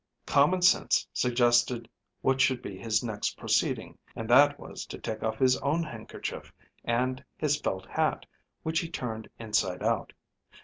Common sense suggested what should be his next proceeding, and that was to take off his own handkerchief and his felt hat, which he turned inside out.